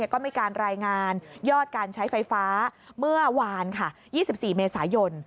ก็มีการรายงานยอดการใช้ไฟฟ้าเมื่อวาน๒๔เมษายน